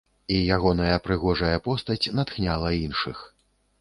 І ягоная прыгожая постаць натхняла іншых.